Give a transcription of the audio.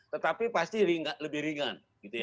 tetapi pasti lebih ringan